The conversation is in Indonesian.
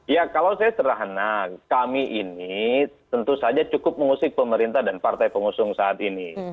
ya kalau saya sederhana kami ini tentu saja cukup mengusik pemerintah dan partai pengusung saat ini